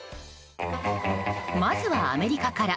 まずはアメリカから。